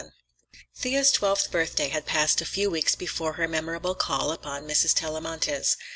VII Thea's twelfth birthday had passed a few weeks before her memorable call upon Mrs. Tellamantez.